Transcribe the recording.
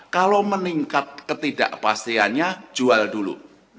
kalau meningkat ketidakpastiannya jual dulu